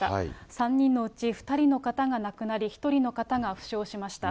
３人のうち２人の方が亡くなり、１人の方が負傷しました。